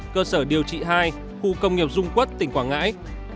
cơ sở điều trị hai khu công nghiệp dung quất tỉnh quảng ngãi